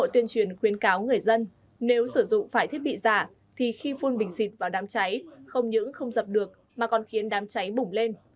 tuyên truyền khuyến cáo người dân nếu sử dụng phải thiết bị giả thì khi phun bình xịt vào đám cháy không những không dập được mà còn khiến đám cháy bủng lên